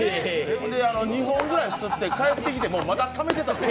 ２本吸って帰ってきてまだためてたんです。